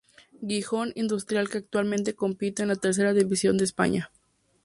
Gijón Industrial que actualmente compite en la Tercera División de España.